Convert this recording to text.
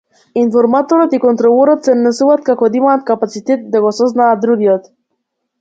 Информаторот и контролорот се однесуваат како да имаат капацитет да го сознаат другиот.